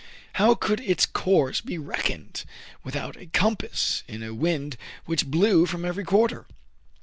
How could its course be reckoned without a compass in a wind which blew from every quarter